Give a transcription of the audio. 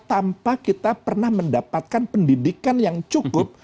tanpa kita pernah mendapatkan pendidikan yang cukup